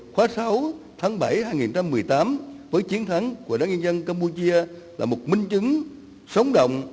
khóa sáu tháng bảy hai nghìn một mươi tám với chiến thắng của đảng nhân dân campuchia là một minh chứng sống động